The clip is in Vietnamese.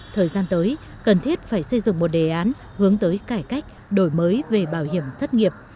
thời gian tới cần thiết phải xây dựng một đề án hướng tới cải cách đổi mới về bảo hiểm thất nghiệp